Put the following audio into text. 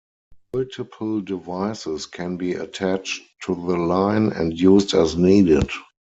Multiple devices can be attached to the line, and used as needed.